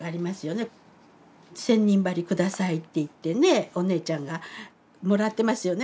「千人針下さい」って言ってねお姉ちゃんがもらってますよね